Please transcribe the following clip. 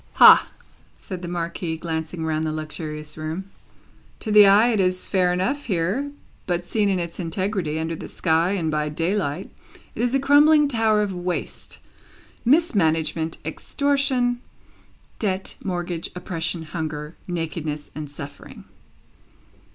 "Hah!" said the Marquis, glancing round the luxurious room. "To the eye it is fair enough, here; but seen in its integrity, under the sky, and by the daylight, it is a crumbling tower of waste, mismanagement, extortion, debt, mortgage, oppression, hunger, nakedness, and suffering."